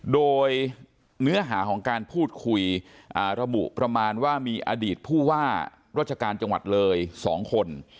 โดยเนื้อหาของการพูดคุยระบุประมาณว่ามีอดีตผู้ว่าราชการจังหวัดเลย๒คน